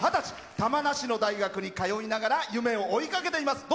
玉名市の大学に通いながら夢を追いかけています。